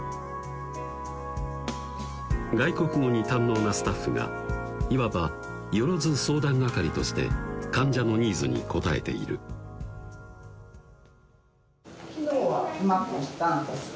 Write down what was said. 外国語に堪能なスタッフがいわばよろず相談係として患者のニーズに応えている昨日はうまくいったんですか？